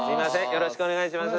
よろしくお願いします。